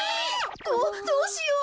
どうしよう。